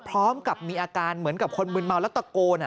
พร้อมกับมีอาการเหมือนกับคนมืนเมาแล้วตะโกน